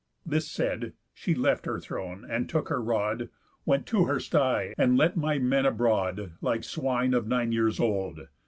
This said, she left her throne, and took her rod, Went to her stye, and let my men abroad, Like swine of nine years old.